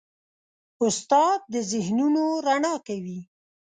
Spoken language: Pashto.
استاد د ذهنونو رڼا کوي.